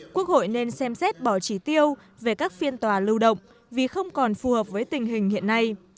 quốc hội nên xem xét bỏ trí tiêu về các phiên tòa lưu động vì không còn phù hợp với tình hình hiện nay